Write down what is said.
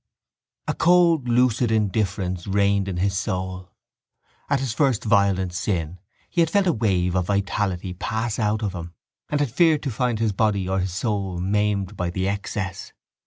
A cold lucid indifference reigned in his soul. At his first violent sin he had felt a wave of vitality pass out of him and had feared to find his body or his soul maimed by the excess.